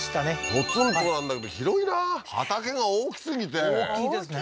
ポツンとなんだけど広いな畑が大きすぎて大きいですね